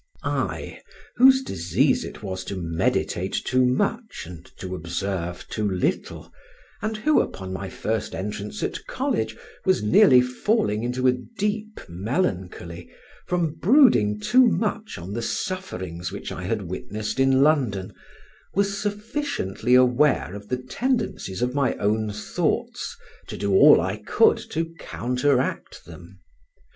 I, whose disease it was to meditate too much and to observe too little, and who upon my first entrance at college was nearly falling into a deep melancholy, from brooding too much on the sufferings which I had witnessed in London, was sufficiently aware of the tendencies of my own thoughts to do all I could to counteract them.